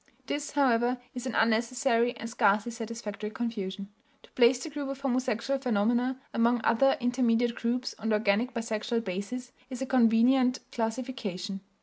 This, however, is an unnecessary and scarcely satisfactory confusion. To place the group of homosexual phenomena among other intermediate groups on the organic bisexual basis is a convenient classification.